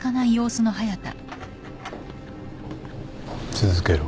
続けろ。